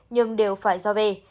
nhưng đều phải do về